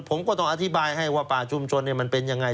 ผมก็ต้องอธิบายให้ว่าป่าชุมชนมันเป็นยังไง